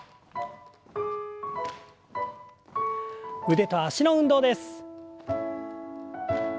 腕と脚の運動です。